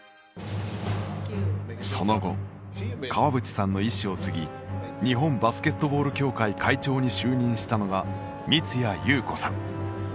その後、川淵さんの意志を継ぎ日本バスケットボール協会会長に就任したのが三屋裕子さん。